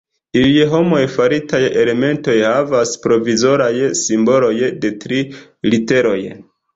Iuj hom-faritaj elementoj havas provizoraj simboloj de tri literoj.